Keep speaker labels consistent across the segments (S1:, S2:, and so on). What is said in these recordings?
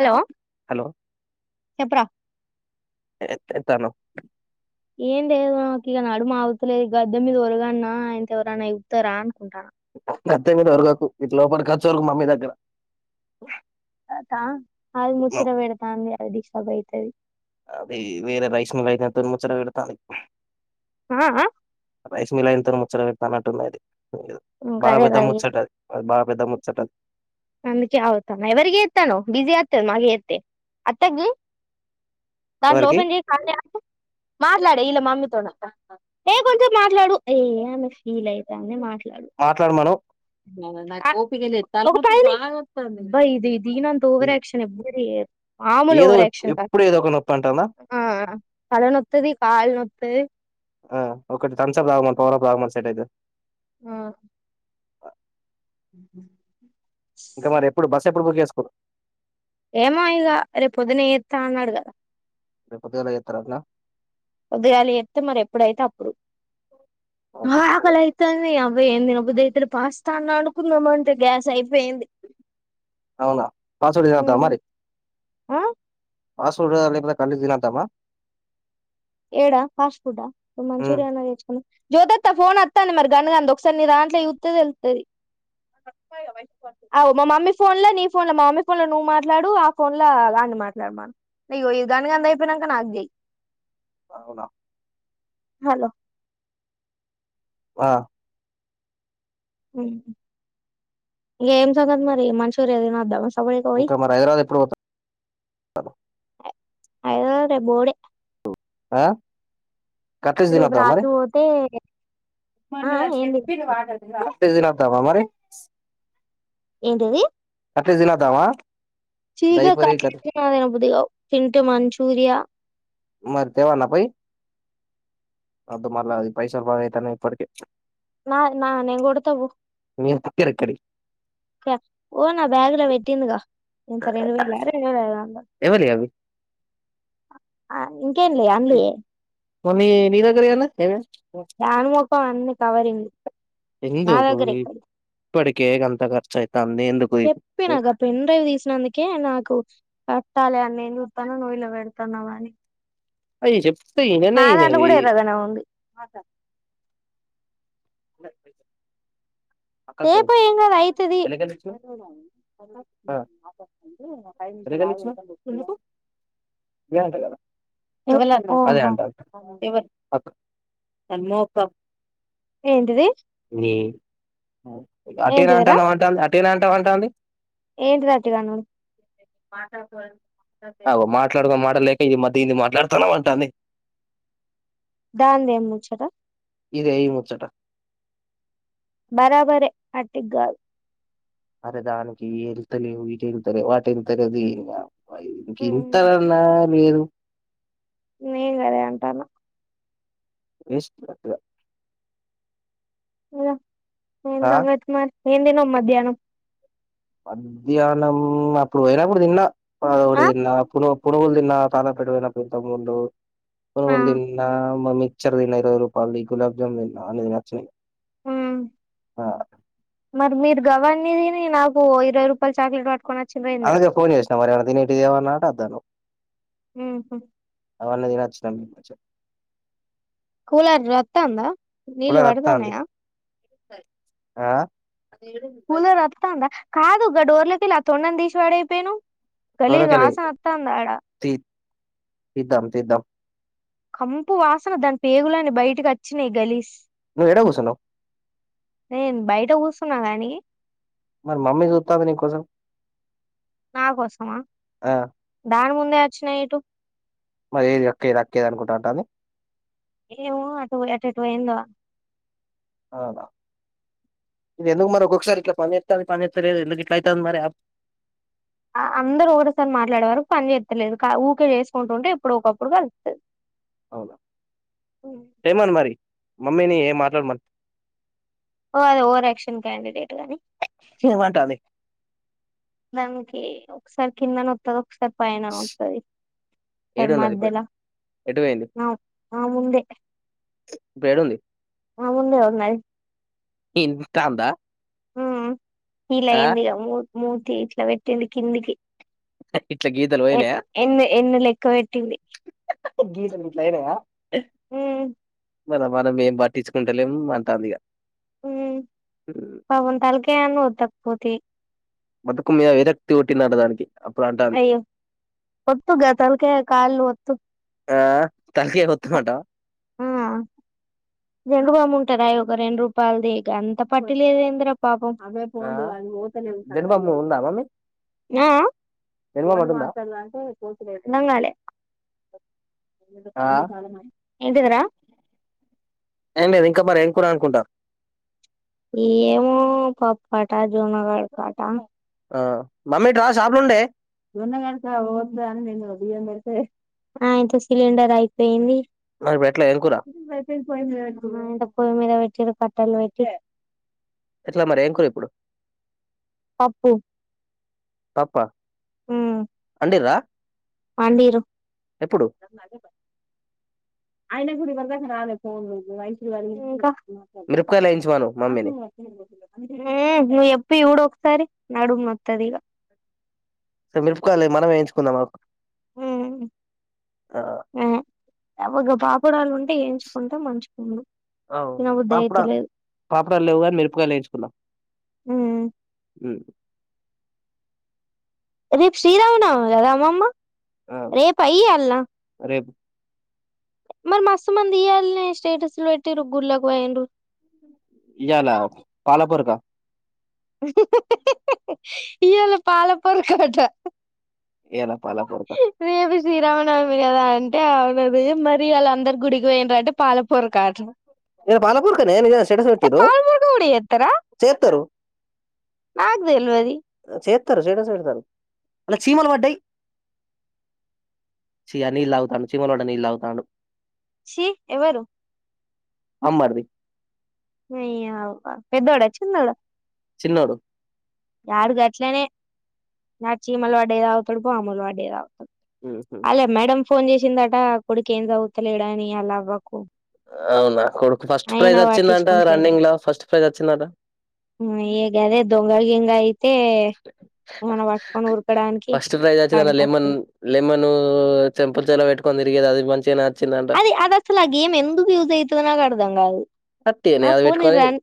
S1: hello hello
S2: చెప్పురా
S1: ఎత్తాను
S2: ఏం లేదు నాకు ఇక నడుమ అగత లేదు గద్దె మీద ఒరగన్న ఇంకా ఎవరన్నా చుత్తన్నా అనుకుంటున్న
S1: అత్త మీద వరగాకు ఇట్లా లోపలకి వచ్చి వరగు మమ్మీ దగ్గర
S2: అత్త అ ముచ్చత బేడతా ఉంది డిస్టర్బ్ అయితది
S1: అదే వేర రైస్ మల్ [unintelligible]
S2: ఆ.. అ..
S1: రైస్ మిల్ అయినతోని ముచ్చట పెటతానట్టుంది అది బ
S2: గదే
S1: పెద్ద
S2: గదే
S1: ముచ్చట అద్ పెద్ద ముచ్చట
S2: అందుకే అగుతన ఎవరికి చేతనం బిజి అతు మళ్లీ చేతే అత్తకియి దాంట్లో
S1: ఎవరికి
S2: ఓపెన్ చేయ్ పడి కను యాపు మాటాడు ఇళ్ల మమ్మీతోనట ఏ కొంచ మాట్లాడు ఏ ఆమె ఫీల్ అయితంది
S1: మాట్లాడుమను
S2: నాకు ఓపిక లేద్ సమయిలీ బా ఇది ఇ దీనంత ఓవర్యాక్షన్ ఎవరు చేయరు మామూలు
S1: ఏదో
S2: ఓవర్ యాక్షన్ కాదు
S1: ఎప్పుడు ఏదో ఒక నొప్పి అంటందా
S2: ఆ తలనొత్తది కాల్నొత్తది
S1: ఆ ఒకటి తప్సప్ తాగన్ పవర్ప్ తాగమను సెట్ అయితది
S2: ఆ ఉ
S1: ఇంకా మరి ఎప్పుడు బస్ చెప్పులు బుక్ చేసుకో
S2: ఏమో ఇగ రేపు పొదున జేత అన్నాడు కదా
S1: రేపుపొదుగాళ చెతరటన
S2: పొదుగాలు చెపతే మరి ఎప్పుడైతే అప్పుడు అ..... ఆకలి అయితుంది అ అ ఏం దినబుదయేతలె పాస్తా అన్న వండు నుకుందామ అంటే గ్యాస్ అయిపోయింది
S1: అవునా పాస్వాడితినిందమా
S2: హ్మ్
S1: మరి
S2: ఆ
S1: ఆసూడ ప కలిదిన అం [unintelligible] తమ్మా
S2: ఏడా ఫాస్ట్ ఫుడా మంచూరియన్ తేచుకు జోయత ఫోన్ వస్తాంది మరి గనగాంధ ఒకసారి నీ దంట్లో ఫోన్ ఒత్ంది మరి గన్ గంద్ ఒక సారి నీ దాంట్లో చూసే తేలేతది మా మమ్మీ ఫోన్ లో నీ ఫోన్ లో మా మమ్మీ ఫోన్ లో నువ్వు మాట్లాడు ఆ ఫోన్ లో అని మాట్లాడు మ న గన్ గాంధీ అయిపోయినాక నాక్ చేయన్
S1: అవునా
S2: హలో
S1: ఆ
S2: ఇంక ఏం సంగతులు మరి మనుచూయన్ర్ తిన వద్దాం
S1: ఇంకా మరి హైదరాబాద్ ఎప్పుడు పోత్
S2: హైదరాబాద్ రెేప్ బోవుడే
S1: ఆ
S2: రేపు రాజు పొతే
S1: మన్నద చెప్పిరు వాటర్ రా దినతవా మరి
S2: ఏంటది
S1: అట్లా జినదావా
S2: చీగా క అద పుదిగావు థింటే మంచూరియా
S1: మరి తెవానా పోయి అద్ మరలాది పైసా బా తనే ఇప్పటిక
S2: నా నా నేను కొడతావు
S1: నీ దగ్గర ఎక్కడియి
S2: ఓ నా బ్యాగ్ లో పెట్టిందిగా ఇంత రెండు వేల రెండు వేల ఐద వంద
S1: ఎవలియి అవి
S2: ఇంకే అమ్లి
S1: మనీ నీరాగరి అనా హవ
S2: దనుమఖం అన్నీ కవరింది నా
S1: ఎందుకు
S2: దగ్గర ఎక్కడ
S1: ఇప్పటికే గంత ఖర్చు అయితాంది ఎందుకు
S2: చెప్పి నాక పెన్ డ్రైవ్ తీసినందుకే నాకు ట్టాాలి అన్న ఉతాన నోయలో వెడతానవాని
S1: అయి చె
S2: నాలాంలో కూడా ఇవదనా ఉంది
S1: బ
S2: పు ఏ అయితుదిఓ
S1: ఎలకెళ్ళి ఇచ్చినవ్ ఆ ఎలకెళ్ళి ఇచ్చినవ్ ఎందుకు ఇదే అంట కదా అమ్మూ కప్
S2: ఏంటిది
S1: అటిరా అంటునావ్ అంటా అంట తేన అంటామంటా అండి
S2: ఏంటి రాతిగాను
S1: ట్ అో మాట్లాడుకో మాటలేక ఇ మధ్య ఇన్ని మాట్లాడుతాను అంటాంది
S2: దాన్ని ఏం ముంచారా
S1: ఇద ఈ ముదట
S2: బరాబర అటి గల్
S1: అరే దానికి వెళ్తలే వకెళ్తలే వాటి వెళ్ తలే అది ఇం
S2: ఉమ్
S1: ఇంతరనా మిరు
S2: నేను కదే అంటాను
S1: వస్ట్ వోధు
S2: ఓ ఏన్
S1: ఆ
S2: దంగత్ మ ఏం తున్నావు మధ్యాహ్నం
S1: మధ్యాహ్నం అప్పుడు పోయినప్పుడు నిన్న
S2: ఆ
S1: తన్నా పుగులు తిన్నా చాలా పెడివైన పెంత ముందు పో
S2: ఆ
S1: బలీ నా మమ్మీ ఇచ్చర తిన ఇరవై రూపాయల్ది గులాబ్ జామున్ అన్ని నచ్చాయి
S2: మ్ మరి మీరు గవన్నదిని నాకు ఓ ఇరవై రూపాయిలా చాక్లేట్
S1: అే ఫోన్ చేసినం మ తిన నాటద్దాను
S2: మ్ హు
S1: తమి మజ
S2: కూలర్ రత్తాందా నీళ్ళు
S1: కూలర్ వత్తాంది
S2: వడతాన్నాయా
S1: ఆ
S2: కూలర్ అత్తాందా కాదు ఓగ డోర్లకెల్లి ఆ తోండను తీసి వాడయిపోయిను
S1: డోరకెలి తీ తీద్దాం తీద్దాం
S2: కంపు వాసన దాని పేగులని బయటకి అచ్చినాయి గలీస్
S1: నువ్వు ఏడ గూసన్నావు
S2: నేను బయట కూసున్నా కాని
S1: మరి మమ్మీ చూస్తాంది నీకోసం
S2: నా కోసమా
S1: ఆ
S2: దాని ముం దే అచ్చినా ఇటు
S1: మరి ఏది అక్కేది అక్కేది అనుకుంటుంటా ఉంటాది
S2: ఏమో అటు ఎటు అటు పోయిందో
S1: ఔనా ఇది ఎందుకు మరి ఒక్కొసారి ఇట్లా పని జేత్తాంది పనిజేత్తలేరు ఎందుకు ఇట్లా ఇతాంది మరి అప్
S2: అందరూ ఒకటేసారి మాట్లాడే వరకు పని చేత్తలేదు ఊకే చేసుకుంటుంటే ఇప్పుడో ఒకప్పుడు కలుత్తది
S1: అవునా చేమన్ మరి మమ్మీని మాట్లాడ మను
S2: ఓ అది ఓవర్ యాక్షన్ క్యాండిడేట్ ఆని
S1: ఏమంటాంది
S2: మనకి ఒకసారి కిందనొత్తవ ఒకసారి పైన అతుంది సార్
S1: ఏడున్నది ఇప్పుడు
S2: మధ్యలా
S1: ఎటు పోయింది
S2: ఆవ్ ఆ ముందే
S1: ఇప్పుడు ఏడుంది
S2: ఆ ముందే ఉన్నాయి
S1: ఇ ఇన్పిస్తాందా
S2: పీల్ అయ్యిందిగా మూ మూతి ఇట్ల పెట్టింది కిందికి
S1: ఇట్లా గీతలు
S2: ఎ
S1: పోయినాయా
S2: ఎన్ని ఎన్ని లెక్క పెట్టింది
S1: గీత గీట్లాయినాయా
S2: హ్మ్
S1: మన మనం ఏం పట్టించుకుంటలేం అంటాంది ఇగ
S2: ఉ పవన్ తాలగనుద్ద పోతే
S1: మదకు మీ విరక్తి ఒటి నాడడానికి
S2: అయ్యో ఒత్త గతలక కాల్ ఒతు
S1: ఆ తలకియ గుతు మాట
S2: ఆ జండు బామ్ ఉంటార ఒక రెండు రూపాయలుది ఇక అంత పట్టి లేదుేందరా పాపం అవే
S1: ఆ
S2: ఫోండు అని మోతలే కయ
S1: జనబామ్ ఉందా మమ్మీ జనబామ్
S2: ఫోన్
S1: అటు ఉందా
S2: మస్తడు అంటే నంగాలే ఎ
S1: ఆ
S2: కామ కాాలమ ఎంటి తరా
S1: అం మీరు ఇంకా మరి ఏం కూడా అనుకుంటారు
S2: ఏమో పాప్పు కాట జూనగడ కాట
S1: ఆ మమ్మీ ఇటు రా షాప్ లో ఉండే
S2: దూన్నగణస ఓద్దా అని నిను ద ఏం మర్తే ఆయితే సిలిండర్ అయిపోయింది
S1: మరి ఇప్పుడు ఎట్లా ఏం కూర
S2: పో పో మ వె పట్టలు వయిట్
S1: ఎట్లా మరి ఏంకురు ఇప్పుడు
S2: పప్పు
S1: పాప్ప
S2: హ
S1: రా
S2: పాండరు ఆయన గు రాాలే పోన్ మైసరి వ
S1: మిరపకాయలు వేయించమను మమ్మీని
S2: నువ ఎప్పుఊడ సరే నడు మత్తదీగా
S1: స మెరుపుకోవాలి మనం వేయించుకుందాం మాకు
S2: ఒక పాపుడాలు ఉంటే ఎయించుకుంటా మంచుకున్నా
S1: అవును
S2: నాకు దయత
S1: పాపడా
S2: లేదు
S1: పాపడాలు లేవు గాని మిరపకాయలు వేయించుకుందాం ఉమ్
S2: రేపు శ్రీరావునా దదా అమ్మ్మ
S1: ఆ
S2: రే పయ్య అల్లా
S1: రేపు
S2: మరి మస్తు మంది ఇయ్యాలని స్టేటస్ లో పెట్టి రుగ్గుర్లాకి పోయం్ర
S1: ఇలా పాలాపుర కా
S2: ఇయలో పాలపర కట్ట
S1: ఏలా పాల పడుత
S2: రేపు శ్రీరామనవమి కదా అంటే అవునది మరిీ వాళ్ళ అందరు గుడికి పోయిన అంటే పాలపూర కాదు
S1: ఇ బాలపూర్ కనే నిజ స్టెటస్ పెటిు
S2: పాలపొరక
S1: సేర్తారు
S2: నాకుదు అల్వది
S1: [unintelligible] అ చీమల పడ్డయి ఛీ నీళ్ళు తాగుతాండు చీమల పడ్డ నీళ్ళు తాగుతాండు
S2: ఛీ ఎవరు
S1: మమ్మరిది
S2: నీ అవ్వ పెద్దోడా చిన్నోడా
S1: చిన్నోడు
S2: వాడు గట్లనే నా చీమల [unintelligible]
S1: మ్ హూ
S2: ఫోన్ చేసిండట అ కొడుకు ఏం చదువుతలేడని ఆల్లవ్వకు
S1: అవునా కొడుకు ఫస్ట్ ప్రైజ్ వచ్చిందంట
S2: పట్టించుకుంటలేరు
S1: రన్నింగ్ లో ఫస్ట్ ప్రైజ్ వచ్చిందట
S2: యి ఉరకడానికి
S1: ఫస్ట్ ప్రైజ్ [unintelligible] లెమన్
S2: పనికొత్తది
S1: లెమన్ చెంప చెంవుల్ల పెట్టుకు కొందిరి [unintelligible] మంచి నా
S2: అది అది అసలు ఆ గేమ్ ఎందుకు యూస్ అయితుదో నాకర్ధం కాదు
S1: అట్టిగనే
S2: ఆ
S1: అది
S2: పోనీ
S1: పెట్టుకొని
S2: రన్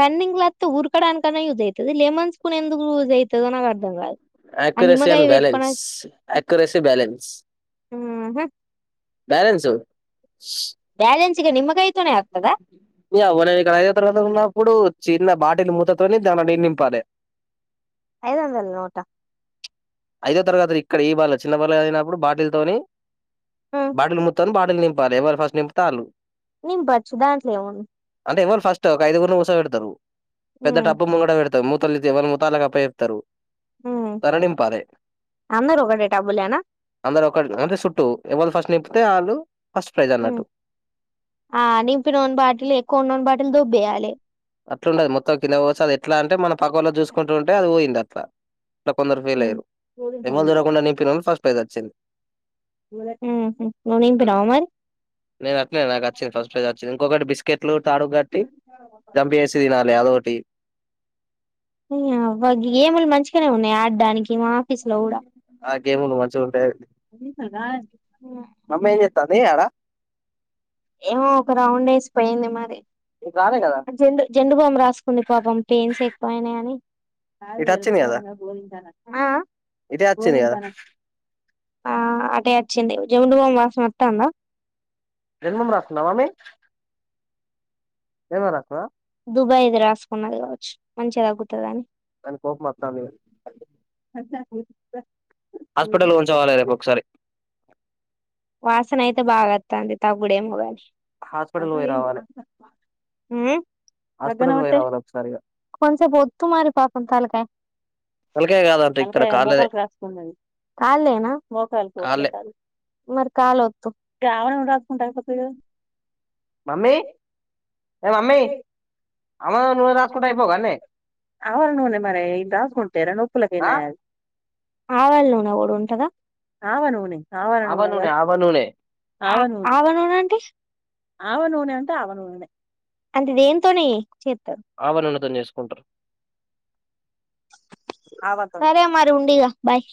S2: రన్నింగ్ లా ఉ ఉరుకడానికన్నా యూస్ చేయచ్చు లెమన్స్ [unintelligible] స్పూనెందుకు యూజైతుదో నాకర్థం కాదు ఆ
S1: ఎక్యురసీ
S2: నిమ్మకాయ
S1: అండ్
S2: పెట్టుకొని
S1: బాలన్స్ ఎక్యురసీ బ్యాలెన్స్
S2: ఆహా
S1: బ్యాలెన్స్
S2: బ్యాలెన్ ఇగ నిమ్మకాయ్ తోనేే అత్తదా
S1: ఇగ ఇవునే ఇక్కడ ఐదో తరగతిలోన్నప్పుడు చిన్న బాటిలు మూతతోని దాన నీళ్ళు నింపాలె
S2: ఐదు వందల నోటా
S1: ఐదో తరగతిల ఇక్కడ ఈ బార్ ల చిన్న బార్ ల చదివినప్పుడు బాటిలుతోని బాటిల్ మూత్ తోని బా నింపాలి ఎవరు ఫస్ట్ నింపుతే ఆళ్లు
S2: నింపచ్చు దాంట్లో ఏముం [unintelligible]
S1: అంటే ఎవళు ఫస్ట్ ఒక ఐదుగురును కూచో పెడతారు పెద్ద
S2: ఉమ్
S1: టబ్బు ముంగట పెడత మూతలు తీసి ఎవల్ మూత వాళ్ళకప్పజెప్తారు తర నింపాలె
S2: అందరూ ఒకటే టబ్బులేనా
S1: వలు ఫస్ట్ నింపుతే ఆళ్ళు ఫస్ట్ ప్రైజ్ అన్నట్టు
S2: ఆ నింపినోని బాటిలు ఎక్కువున్నోని బాటిలు దొబ్బేయాలి
S1: అట్లుండదు మొత్తం కింద పోవచ్చు అదెట్లా అంటే మన పక్కల్లో చూసుకుంటూ ఉంటే అది పోయిందట్లా ఇట్ల కొందరు ఫెయిల్
S2: ఉమ్
S1: అయ్యిర్రు ఎవల్ చూడకుండా నింపినోళ్ళు ఫస్ట్ ప్పేదచ్చింది
S2: నువ్వ్ నింపినవ మరి
S1: నేను అట్లే నాకు వచ్చింది ఫస్ట్ ప్రైజ్ ఇంకొకటి బిస్కెట్లు తాడుగ్గట్టి సినాలే ఎదొ ఒకటి
S2: నీ యవ్వ గేమ్ లు మంచిగానే ఉన్నాయి ఆడడానికి మా ఆఫీస్ లో కూడా
S1: ఆ గేమ్లు మంచిగుండాయి మమ్మీ ఏం చేతాంది వెయ్ అడా
S2: ఏమో ఒక రౌండ్ వేసిపోయింది మరి
S1: ఇటు రాలే కదా
S2: జెండు జెండు బామ్ రాసుకుంది పాపం పెయిన్స్ ఎక్కువయినాయని కాదు
S1: ఇటు
S2: ఇయళ
S1: వచ్చింది
S2: గురువారం కదా బువ్వ తింటారంట
S1: ఇటే
S2: బువ్వ
S1: వచ్చింది కదా
S2: తింటారంట ఆ అటే వచ్చింది జముడు బామ్ వాసన వస్తందా
S1: జన్మం రాస్తున్నావా మమ్మీ ఏమో రాసినావ
S2: దుబాయ్ ఇది రాసుకున్నా కావచ్చు మంచిగా తగ్గుతది అని
S1: అని కోప మొత్తంది హాస్పిటల్లో ఉంచవాలి రేపు ఒకసారి
S2: వాసన అయితే బాగా వత్తంది తగ్గుడు ఏమో గాని
S1: హాస్పిటల్ పోయి రావాలి
S2: ఉమ్ తగ్గన
S1: హాస్పిటల్ పోయి
S2: ఒకట్టే
S1: రావాలి ఒకసారి ఇగ
S2: కొంసేపు వత్తు మరి పాపం తలకాయ
S1: తలకాయ కాదంట ఇక్కడ
S2: తలకాయ
S1: కాళ్ళదే
S2: మోకాలికి రాసుకుమరి కాళేళ నా మోకాలు ఒకటే
S1: కాళ్ళే
S2: కాళ మరి కాలు ఒత్తు గావ నూనె రాసుకుంటే సరిపోద్ది కదా
S1: మమ్మీ ఏ మమ్మీ ఆవ నూనె రాసుకుంటే అయిపోవు కదనే
S2: ఆవ నూనె మరి ఇంద రాసుకుంటే నొప్పుల
S1: ఆ
S2: కైనా ఆవాల నూన కుడు ఉంటదా ఆవ నూనె
S1: ఆవనూనె ఆవనూనె
S2: ఆవనూన అంటే ఆవనూన అంటే ఆవనూన అంటే దేంతోనే
S1: ఆవునునే తోనే చేస్తా సుకుంటారు
S2: ఉండిగా బాయ్